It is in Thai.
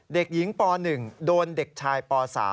เด็กหญิงป๑โดนเด็กชายป๓